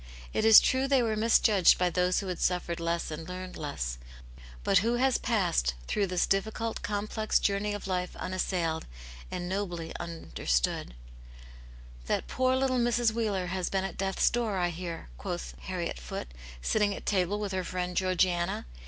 It is true they were misjudged by those who had suffered less and learned less ; but who has passed through this difficult, complex journey of life unassailed, and nobly understood }" That poor little Mrs. Wheeler has been at death's door, I hear," quoth Harriet Foot, sitting at table with her friend Georgiana.